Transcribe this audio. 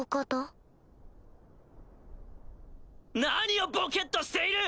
何をボケっとしている！